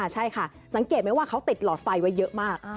ใช่ค่ะสังเกตไหมว่าเขาติดหลอดไฟไว้เยอะมาก